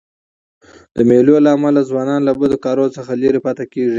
د مېلو له امله ځوانان له بدو کارو څخه ليري پاته کېږي.